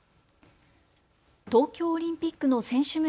東京オリンピックの選手村